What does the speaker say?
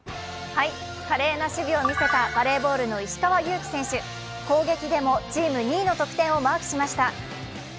華麗な守備を見せたバレーボールの石川祐希選手、攻撃でもチーム２位の得点をマークしました。